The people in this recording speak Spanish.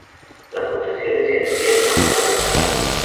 Las votaciones se hacían a mano alzada.